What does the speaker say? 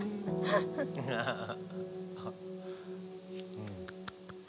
うん。